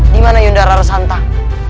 di mana yudhara rara santang